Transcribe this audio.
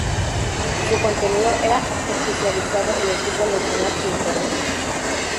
Su contenido era especializado en el fútbol nacional e internacional.